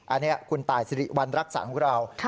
อันนี้คุณตายสิริวัณรักษัตริย์ของเรา